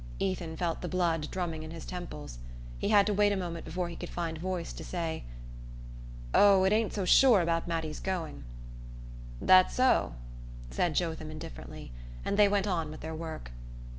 Ethan felt the blood drumming in his temples. He had to wait a moment before he could find voice to say: "Oh, it ain't so sure about Mattie's going " "That so?" said Jotham indifferently; and they went on with their work.